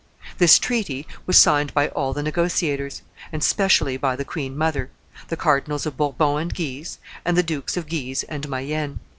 This treaty was signed by all the negotiators, and specially by the queen mother, the Cardinals of Bourbon and Guise, and the Dukes of Guise and Mayenne.